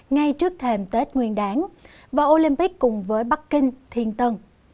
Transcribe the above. ngay trước thềm tết nguyên đáng và olympic cùng với bắc kinh thiên tân